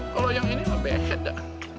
kalau yang ini mah beda